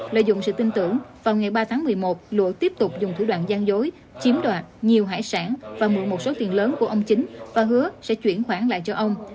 lợi dụng sự tin tưởng vào ngày ba tháng một mươi một lụa tiếp tục dùng thủ đoạn gian dối chiếm đoạt nhiều hải sản và mượn một số tiền lớn của ông chính và hứa sẽ chuyển khoản lại cho ông